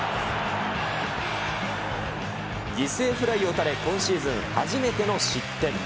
犠牲フライを打たれ、今シーズン初めての失点。